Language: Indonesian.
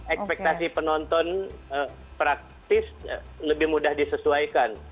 ekspektasi penonton praktis lebih mudah disesuaikan